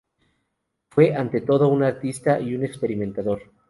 Fue ante todo un artista y un experimentador.